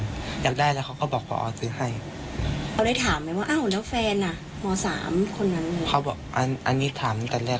ก็ยังเยอะครับถึงเรียกแม่บอกว่าจะแส้การเติบ